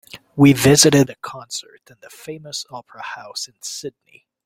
We visited a concert in the famous opera house in Sydney.